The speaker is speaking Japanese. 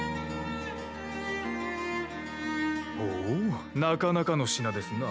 ほうなかなかの品ですな。